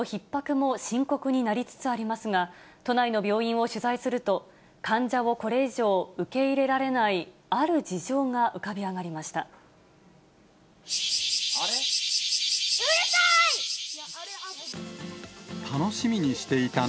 りつつありますが、都内の病院を取材すると、患者をこれ以上受け入れられない、ある事情が浮かび上がりました。